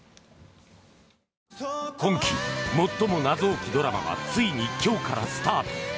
今季、最も謎多きドラマがついに今日からスタート。